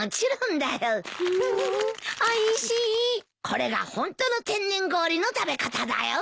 これがホントの天然氷の食べ方だよ。